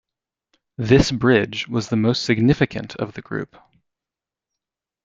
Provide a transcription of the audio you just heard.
This bridge was the most significant of the group.